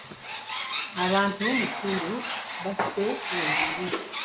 Abantu mu kitundu basse envubu.